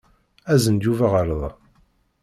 Azen-d Yuba ɣer da.